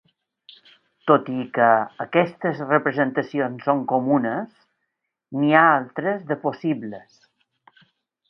Tot i que aquestes representacions són comunes, n'hi ha altres de possibles.